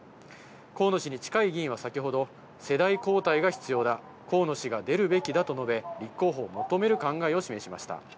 河野氏に近い議員は先ほど、世代交代が必要だ、河野氏が出るべきだと述べ、立候補を求める考えを示しました。